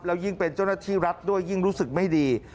แล้วยิ่งเป็นเจ้าหน้าที่รัฐด้วยยิ่งรู้สึกไม่ดี